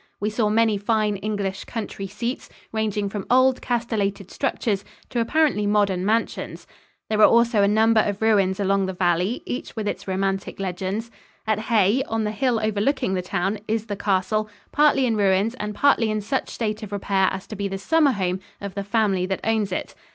We saw many fine English country seats, ranging from old, castellated structures to apparently modern mansions. There are also a number of ruins along the valley, each with its romantic legends. At Hay, on the hill overlooking the town, is the castle, partly in ruins and partly in such state of repair as to be the summer home of the family that owns it.